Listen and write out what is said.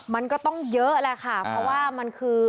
มันก็ต้องเยอะแหละค่ะเพราะว่ามันคือ